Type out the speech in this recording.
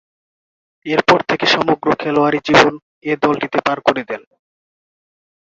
এরপর থেকেই সমগ্র খেলোয়াড়ী জীবন এ দলটিতে পার করে দেন।